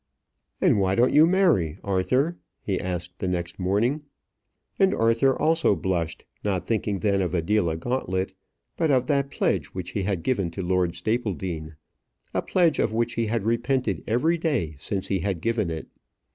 "And why don't you marry, Arthur?" he asked the next morning. And Arthur also blushed, not thinking then of Adela Gauntlet, but of that pledge which he had given to Lord Stapledean a pledge of which he had repented every day since he had given it.